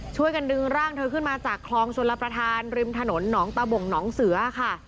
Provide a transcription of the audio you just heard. ช่วยกันดึงร่างเธอขึ้นมาจากคลองชนรับประทานริมถนนหนองตะบ่งหนองเสือค่ะ